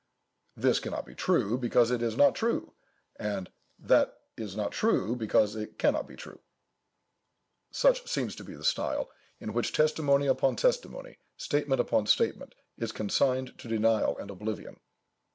"This cannot be true, because it is not true; and, that is not true, because it cannot be true." Such seems to be the style, in which testimony upon testimony, statement upon statement, is consigned to denial and oblivion.